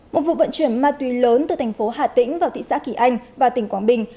một vụ vận chuyển ma túy lớn từ thành phố hà tĩnh vào thị xã kỳ anh và tỉnh quảng bình